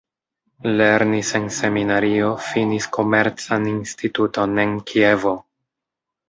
Lernis en seminario, finis Komercan Instituton en Kievo.